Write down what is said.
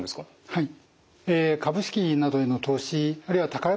はい。